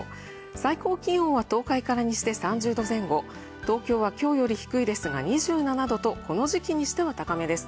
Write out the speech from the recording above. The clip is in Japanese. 最高気温は東海から西で３０度前後、東京は今日より低いですが２７度とこの時期にしては高めです。